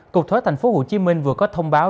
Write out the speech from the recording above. cục thuế tp hcm vừa có thông báo